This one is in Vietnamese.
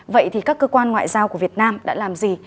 vậy thì các cơ quan ngoại giao của việt nam đã làm gì